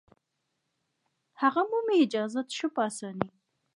هغه مومي اجازت ښه په اسانه